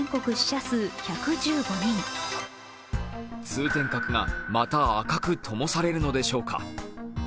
通天閣が、また赤くともされるのでしょうか。